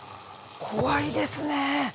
怖いですね。